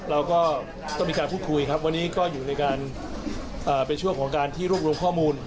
เราก็ต้องมีการพูดคุยครับวันนี้ก็อยู่ในการเป็นช่วงของการที่รวบรวมข้อมูล